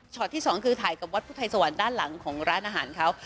ที่สองคือถ่ายกับวัดพุทธไทยสวรรค์ด้านหลังของร้านอาหารเขา